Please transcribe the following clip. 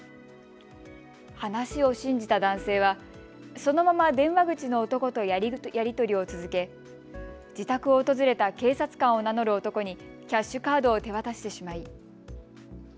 話を信じた男性はそのまま電話口の男とやり取りを続け自宅を訪れた警察官を名乗る男にキャッシュカードを手渡してしまい。